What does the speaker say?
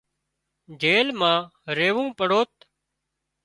جيل مان ريوون پڙوت